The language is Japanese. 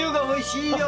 おいしい。